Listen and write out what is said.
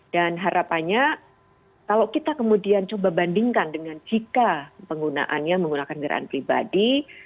dan harapannya kalau kita kemudian coba bandingkan dengan jika penggunaannya menggunakan kendaraan pribadi